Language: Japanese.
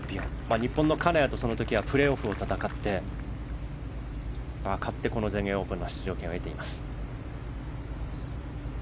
日本の金谷と、その時はプレーオフを戦って勝ってこの全英オープンの出場権を得ています。